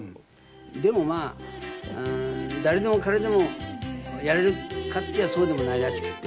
でもまあ誰でも彼でもやれるかっていえばそうでもないらしくて。